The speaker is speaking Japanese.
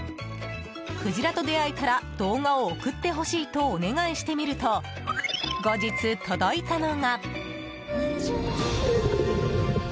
クジラと出会えたら動画を送ってほしいとお願いしてみると後日、届いたのが。